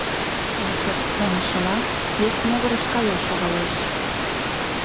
Осып, ваҥышыла, вес могырыш каен шогалеш.